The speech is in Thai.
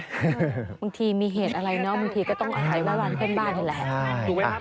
บางทีมีเหตุอะไรเนอะบางทีก็ต้องไหว้วันเพื่อนบ้านแหละ